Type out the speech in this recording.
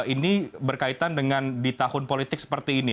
ini berkaitan dengan di tahun politik seperti ini